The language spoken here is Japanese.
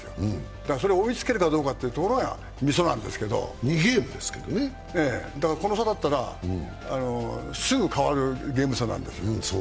だから、それを追いつけるかどうかっていうのがミソなんですけどこの差だったら、すぐ変わるゲーム差なんですよ。